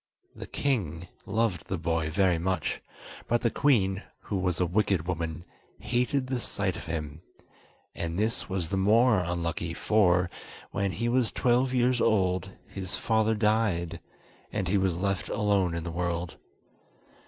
The king loved the boy very much, but the queen, who was a wicked woman, hated the sight of him; and this was the more unlucky for, when he was twelve years old, his father died, and he was left alone in the world.